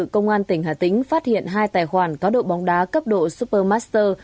công an tỉnh hà tĩnh phát hiện hai tài khoản cáo độ bóng đá cấp độ supermaster